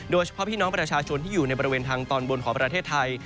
โดยเฉพาะพี่น้องประชาชนที่อยู่ในบริเวณทางตอนบนของประเทศไทย